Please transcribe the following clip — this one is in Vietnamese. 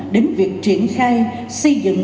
đến việc triển khai xây dựng